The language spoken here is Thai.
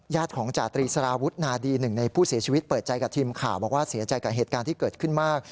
ของจาตรีสารวุฒนาดีหนึ่งในผู้เสียชีวิตเปิดใจกับทีมข่าวบอกว่าเสียใจกับเหตุการณ์ที่เกิดขึ้นมาก